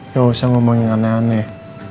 ya usah ngomong yang aneh aneh